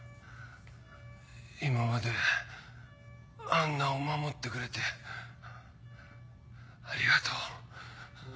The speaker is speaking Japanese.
今までアンナを守ってくれてありがとう。